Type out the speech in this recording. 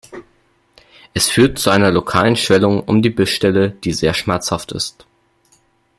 Es führt zu einer lokalen Schwellung um die Bissstelle, die sehr schmerzhaft ist.